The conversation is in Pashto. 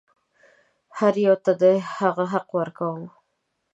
هر یوه ته د هغه حق ورکوم.